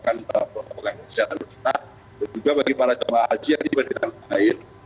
dan juga bagi para jemaah haji yang diberikan tanah air